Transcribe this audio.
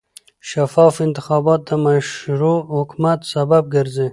شفاف انتخابات د مشروع حکومت سبب ګرځي